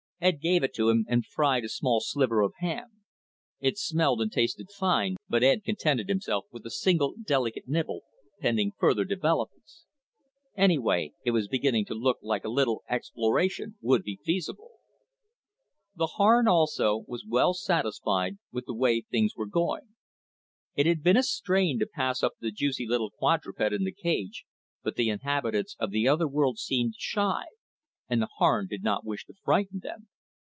Ed gave it to him and fried a small sliver of ham. It smelled and tasted fine, but Ed contented himself with a single delicate nibble, pending further developments. Anyway, it was beginning to look like a little exploration would be feasible. _The Harn, also, was well satisfied with the way things were going. It had been a strain to pass up the juicy little quadruped in the cage, but the inhabitants of the other world seemed shy, and the Harn did not wish to frighten them.